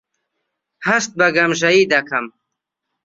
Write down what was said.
هەست بە گەمژەیی دەکەم.